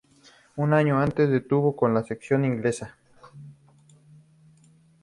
Un año antes debutó con la selección inglesa.